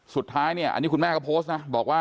สุดท้ายเนี่ยอันนี้คุณแม่ก็โพสต์นะบอกว่า